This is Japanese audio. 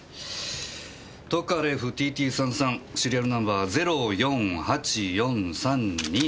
トカレフＴＴ−３３シリアルナンバー０４８４３２。